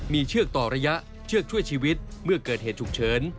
มีเชือกต่อระยะเชือกช่วยชีวิตเมื่อเกิดเหตุฉุกเฉิน